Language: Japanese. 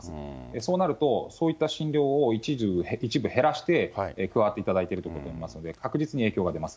そうなると、そういった診療を一部減らして加わっていただいているということになりますので、確実に影響が出ます。